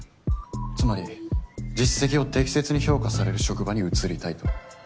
つまり実績を適切に評価される職場に移りたいと。